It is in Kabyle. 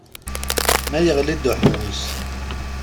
Ma yeɣli-d uḥewwes.